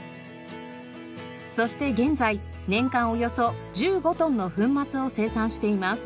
そして現在年間およそ１５トンの粉末を生産しています。